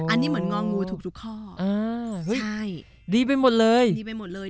อันนี้เหมือนงองูถูกทุกข้อเออเฮ้ยใช่ดีไปหมดเลยดีไปหมดเลย